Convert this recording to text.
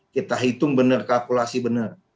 kita hitung benar kalkulasi benar